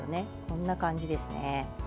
こんな感じですね。